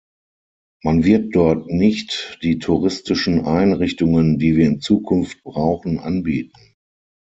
Man wird dort nicht die touristischen Einrichtungen, die wir in Zukunft brauchen, anbieten.